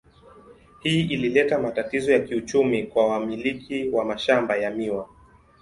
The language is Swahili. Hii ilileta matatizo ya kiuchumi kwa wamiliki wa mashamba ya miwa.